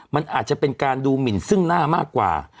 มันอาจจะเป็นการดูหมินซึ่งหน้ามากกว่า